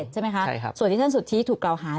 ใช่ไหมคะส่วนที่ท่านสุธิถูกกล่าวหา